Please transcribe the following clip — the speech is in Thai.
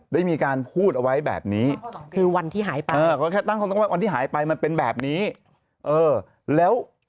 ได้มีการพูดเอาไว้แบบนี้คือวันที่หายไปวันที่หายไปมันเป็นแบบนี้แล้ว